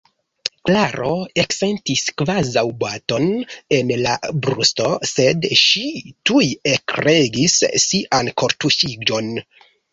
Klaro eksentis kvazaŭ baton en la brusto, sed ŝi tuj ekregis sian kortuŝiĝon.